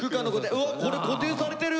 うわこれ固定されてる！